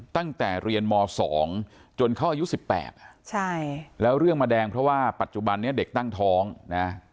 ตั้งแต่เรียนม๒จนเขาอายุ๑๘แล้วเรื่องมาแดงเพราะว่าปัจจุบันนี้เด็กตั้งท้องนะ